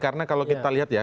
karena kalau kita lihat ya